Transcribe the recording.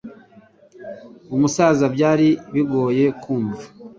Umusaza byari bigoye kumva